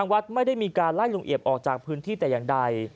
วัดไม่ได้มีการไล่ลุงเอียบออกจากพื้นที่แต่อย่างใด